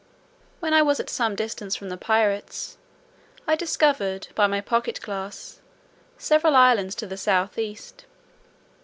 When I was at some distance from the pirates, I discovered, by my pocket glass, several islands to the south east.